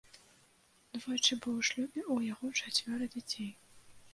Двойчы быў у шлюбе, у яго чацвёра дзяцей.